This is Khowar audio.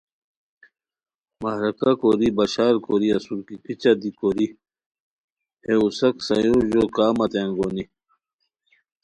مہرکہ کوری بشار کوری اسور کی کیچہ دی کوری ہے اوساک سایورجو کا متے انگونی؟